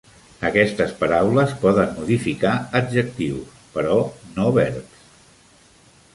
Aquestes paraules poden modificar adjectius, però no verbs.